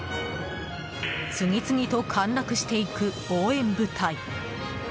次々と陥落していく応援部隊。